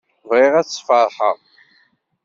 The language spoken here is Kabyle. Bɣiɣ ad tt-sfeṛḥeɣ.